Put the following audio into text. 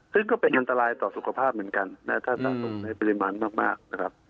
ซึ่งก็เป็นอันตรายต่อสุขภาพเหมือนกันในปริมาณมากมากนะครับ